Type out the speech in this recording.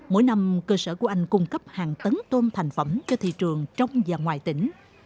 mỗi năm cơ sở của anh cung cấp hàng tấn tôm thành phẩm cho thị trường trong và ngoài tỉnh